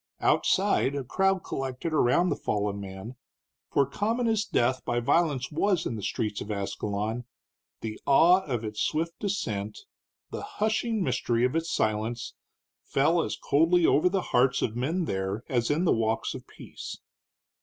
Outside a crowd collected around the fallen man, for common as death by violence was in the streets of Ascalon, the awe of its swift descent, the hushing mystery of its silence, fell as coldly over the hearts of men there as in the walks of peace.